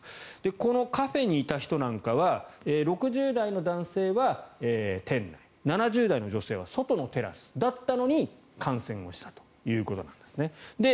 このカフェにいた人なんかは６０代の男性は店内７０代の女性は外のテラスだったのに感染をしたということなんですね。